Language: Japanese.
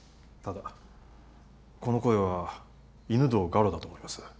ただこの声は犬堂我路だと思います。